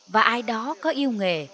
và ai đó có yêu nghề